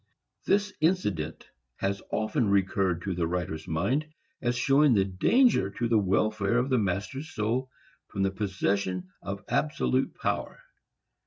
This incident has often recurred to the writer's mind, as showing the danger to the welfare of the master's soul from the possession of absolute power.